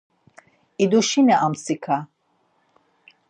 Duşini amtsika.